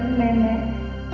kakek dan nenek